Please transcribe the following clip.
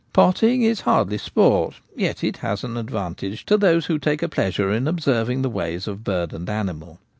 ' Potting ' is hardly sport, yet it has an advantage to those who take a pleasure in observing the ways of bird and animal.